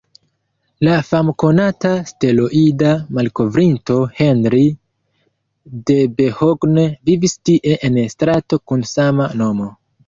La famkonata asteroida malkovrinto Henri Debehogne vivis tie en strato kun sama nomo.